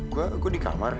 gue di kamar